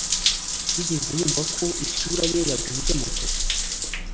Wigeze wumva ko isura-isura ye yagonze moto?